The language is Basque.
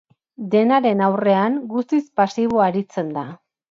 Denaren aurrean guztiz pasibo aritzen da.